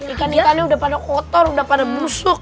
ikan ikannya udah pada kotor udah pada busuk